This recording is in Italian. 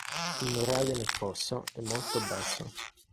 Il morale nel Fosso è molto basso.